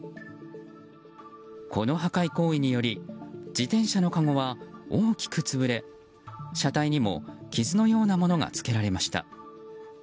この破壊行為により自転車のかごは大きく潰れ車体にも傷のようなものがつけられました。